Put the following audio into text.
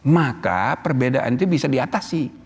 maka perbedaan itu bisa diatasi